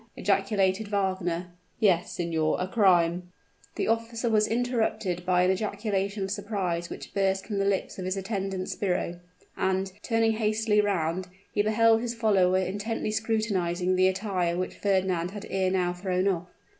ejaculated Wagner. "Yes, signor; a crime " The officer was interrupted by an ejaculation of surprise which burst from the lips of his attendant sbirro; and, turning hastily round, he beheld his follower intently scrutinizing the attire which Fernand had ere now thrown off.